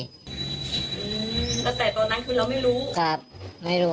ตั้งแต่ตอนนั้นคือเราไม่รู้